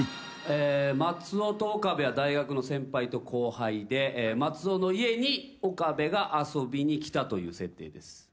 松尾と岡部は大学の先輩と後輩で松尾の家に岡部が遊びに来たという設定です。